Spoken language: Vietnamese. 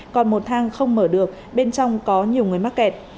còn một thang không mở được bên trong có nhiều người mắc kẹt